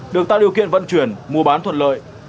được tạo điều kiện vận chuyển mua bán thuận lợi